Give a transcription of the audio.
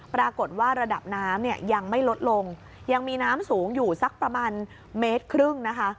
ปรากฏรัดับน้ำยังไม่ลดลงมีน้ำสูงอยู่ประมาณเหม็นทึ่งนะคะ